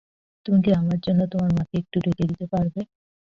তুমি কি আমার জন্য তোমার মাকে একটু ডেকে দিতে পারবে?